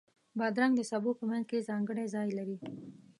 بادرنګ د سبو په منځ کې ځانګړی ځای لري.